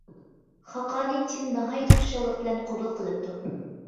خاقانى چىن ناھايىتى خۇشاللىق بىلەن قوبۇل قىلىپتۇ.